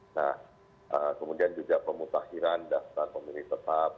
nah kemudian juga pemutakhiran daftar pemilih tetap